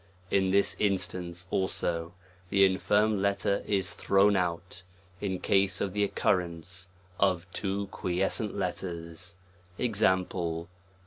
In this instance, also, the infirm letter is thrown out, in case of the occurrence of two quies cent letters. Example.